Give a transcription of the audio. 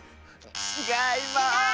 ちがいます！